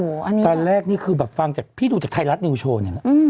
ตอนแรกนี่คือแบบพี่ดูจากไทรัตนิวโชนะ